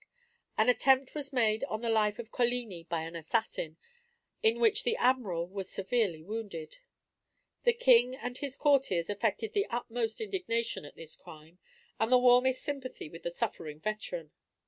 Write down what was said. An attempt was made on the life of Coligni by an assassin, in which the Admiral was severely wounded. The king and his courtiers affected the utmost indignation at this crime, and the warmest sympathy with the suffering veteran.